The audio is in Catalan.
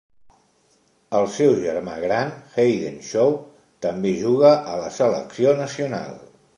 El seu germà gran, Hayden Shaw, també juga a la selecció nacional.